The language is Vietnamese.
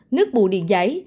một mươi một nước bù điện giấy